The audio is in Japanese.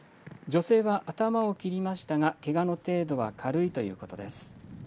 女性は頭を切りましたがけがの程度は軽いということです。